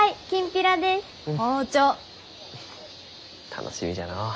楽しみじゃのう。